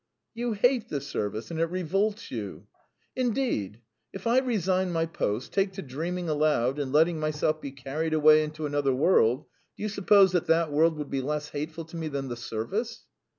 "You hate the service and it revolts you." "Indeed? If I resign my post, take to dreaming aloud and letting myself be carried away into another world, do you suppose that that world would be less hateful to me than the service?"